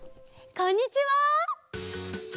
こんにちは。